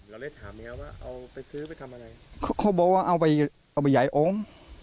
แล้วเรียกถามแมวว่าเอาไปซื้อไปทำอะไรเขาบอกว่าเอาไปเอาไปหยายโอ้ม